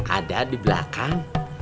ada di belakang